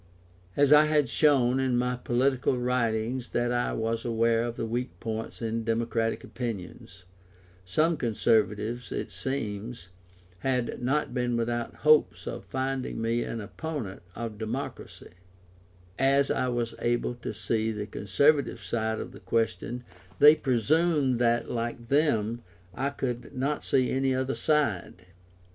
As I had shown in my political writings that I was aware of the weak points in democratic opinions, some Conservatives, it seems, had not been without hopes of finding me an opponent of democracy: as I was able to see the Conservative side of the question, they presumed that, like them, I could not see any other side.